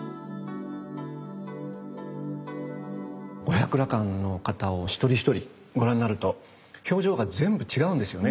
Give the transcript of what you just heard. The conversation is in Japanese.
五百羅漢の方を一人一人ご覧になると表情が全部違うんですよね。